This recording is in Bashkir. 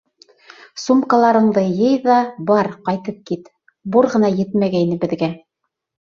Сумкаларыңды иыи ҙа, бар, ҡайтып кит. Бур ғына етмәгәйне беҙгә.